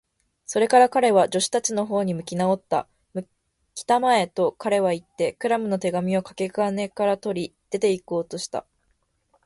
それから彼は、助手たちのほうに向きなおった。「きたまえ！」と、彼はいって、クラムの手紙をかけ金から取り、出ていこうとした。